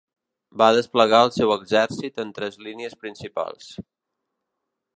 Va desplegar el seu exèrcit en tres línies principals.